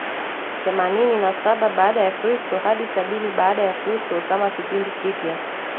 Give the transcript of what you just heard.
themanini na saba baada ya kristo hadi sabini baada ya kristo kama kipindi kipya